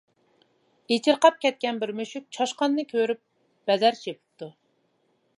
ئېچىرقاپ كەتكەن بىر مۈشۈك چاشقاننى كۆرۈپ بەدەر چېپىپتۇ.